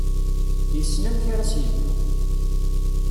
Yessen amek ara s-yeddu.